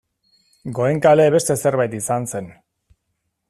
Goenkale beste zerbait izan zen.